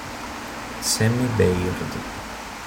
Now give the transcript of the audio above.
Sammy Baird